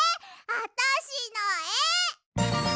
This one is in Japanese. あたしのえ！